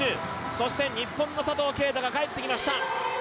そして日本の佐藤圭汰が帰ってきました。